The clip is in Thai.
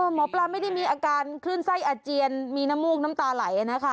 หมอปลาไม่ได้มีอาการคลื่นไส้อาเจียนมีน้ำมูกน้ำตาไหลนะคะ